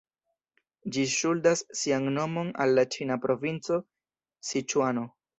Ĝi ŝuldas sian nomon al la ĉina provinco Siĉuano.